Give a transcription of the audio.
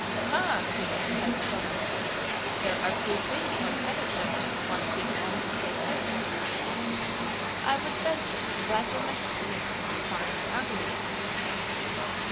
"Hah, king!" said Thorarin, "there are few things one cannot match if one seek long and take pains. I would bet, with thy permission, King, to find an uglier."